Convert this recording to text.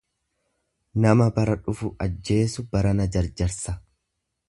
Nama bara dhufu ajjeesu barana jarjarsa.